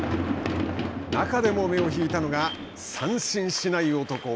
中でも目を引いたのが三振しない男